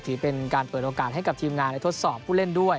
ถือเป็นการเปิดโอกาสให้กับทีมงานได้ทดสอบผู้เล่นด้วย